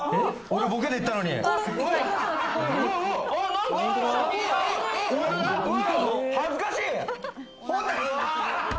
俺、ボケで言ったのに、恥ずかしい。